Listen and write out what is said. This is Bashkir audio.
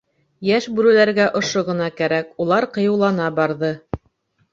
Йәш бүреләргә ошо ғына кәрәк, улар ҡыйыулана барҙы.